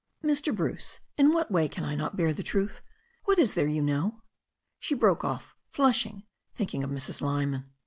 "Mr. Bruce, in what way cannot I bear the truth? What is there you know?" She broke off, flushing, thinking of Mrs. Lyman.